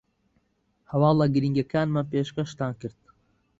هەواڵە گرینگەکانمان پێشکەشتان کرد